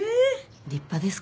立派ですか？